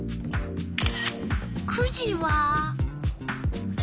９時は。